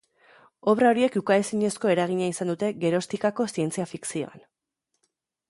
Obra horiek ukaezinezko eragina izan dute geroztikako zientzia-fikzioan.